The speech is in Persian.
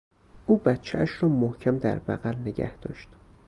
او بچهاش را محکم در بغل نگهداشت.